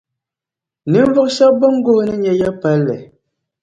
ninvuɣ’ shɛb’ bɛn guhi’ o ni nya ya’ palli.